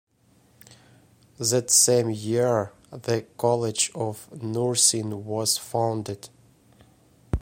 That same year, the College of Nursing was founded.